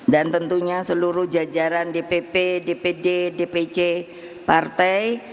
dan tentunya seluruh jajaran dpp dpd dpc partai